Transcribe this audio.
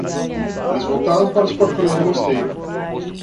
Eles voltaram para os portões do mosteiro.